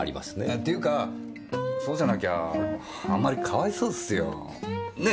っていうかそうじゃなきゃあんまり可哀想っすよ。ねぇ